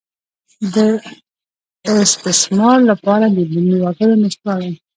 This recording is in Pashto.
د استثمار لپاره د بومي وګړو نشتوالی.